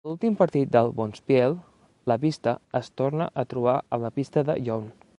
A l'últim partit del bonspiel, la pista es torna a trobar amb la pista de Yount.